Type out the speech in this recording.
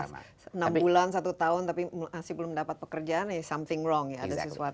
enam bulan satu tahun tapi masih belum dapat pekerjaan ya something wrong ya ada sesuatu